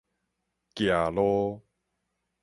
崎路